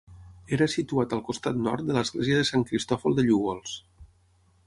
Era situat al costat nord de l'església de Sant Cristòfol de Llúgols.